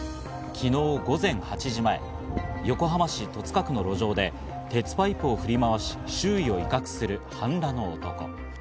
昨日午前８時前、横浜市戸塚区の路上で鉄パイプを振り回し、周囲を威嚇する半裸の男。